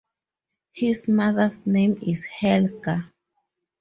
His mother's name is Helga.